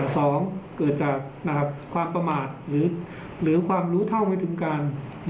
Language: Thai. สองเกิดจากความประมาทหรือความรู้เท่าไม่ถึงการ